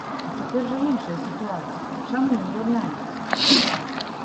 А цяпер жа іншая сітуацыя, чаму не яднаюцца?